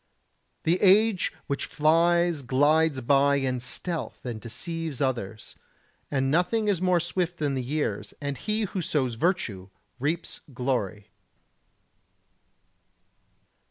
The age which flies glides by in stealth and deceives others; and nothing is more swift than the years, and he who sows virtue reaps glory.